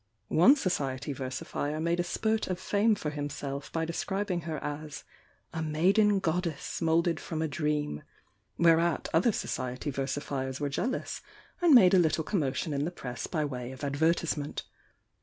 One society versifier made a spurt of fame for himself by describ ing her as "a maiden goddess moulded from a dream," whereat other society versifiers were jealous, and made a little commotion in the press by way of advertisement.